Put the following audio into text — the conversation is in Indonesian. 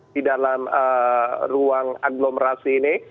di dalam ruang agglomerasi ini